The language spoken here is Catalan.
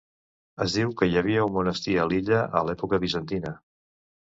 Es diu que hi havia un monestir a l'illa, a l'època bizantina.